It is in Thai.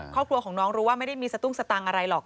ครอบครัวของน้องรู้ว่าไม่ได้มีสตุ้งสตังค์อะไรหรอก